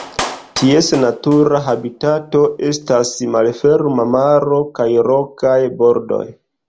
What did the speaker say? Ties natura habitato estas malferma maro kaj rokaj bordoj.